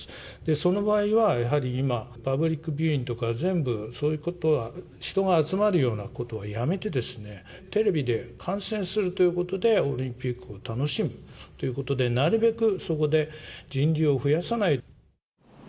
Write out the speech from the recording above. その場合は、やはり今、パブリックビューイングとか全部そういうことは、人が集まるようなことはやめてですね、テレビで観戦するということで、オリンピックを楽しむということで、なるべくそこで人流を増やさない。